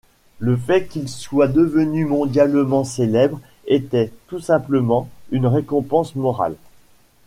Le fait qu'il soit devenu mondialement célèbre était tout simplement une récompense morale.